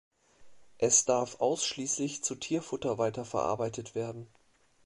Es darf ausschließlich zu Tierfutter weiterverarbeitet werden.